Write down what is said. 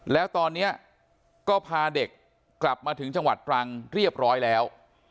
แล้วตอนนี้ก็พาเด็กกลับมาถึงจังหวัดตรังเรียบร้อยแล้ว